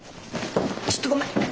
ちょっとごめん！